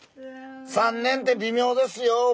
３年って微妙ですよ